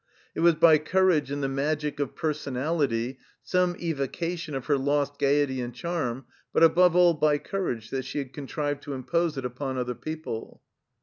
It was by courage and the magic of personality — some evo cation of her lost gaiety and charm — ^but above all by courage that she had contrived to impose it upon other people.